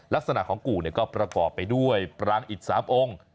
ลักษณะของกู่ก็ประกอบไปด้วยปรางอิต๓องค์